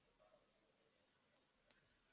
assalamu'alaikum warahmatullahi wabarakatuh